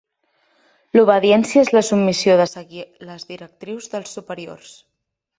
L'obediència és la submissió de seguir les directrius dels superiors.